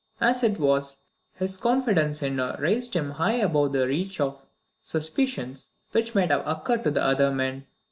As it was, his confidence in her raised him high above the reach of suspicions which might have occurred to other men.